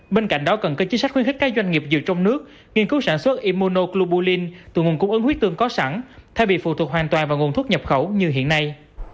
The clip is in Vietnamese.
bên cạnh đó cần cơ chính sách khuyến khích các doanh nghiệp dựa trong nước nghiên cứu sản xuất immunoglobulin từ nguồn cung ấn huyết tương có sẵn thay vì phụ thuộc hoàn toàn vào nguồn thuốc nhập khẩu như hiện nay